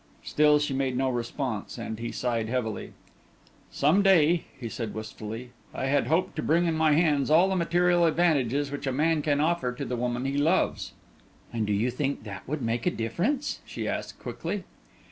Still she made no response and he sighed heavily. "Some day," he said, wistfully, "I had hoped to bring in my hands all the material advantages which a man can offer to the woman he loves." "And do you think that would make a difference?" she asked quickly.